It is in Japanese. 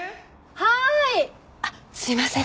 はーい！あっすみません。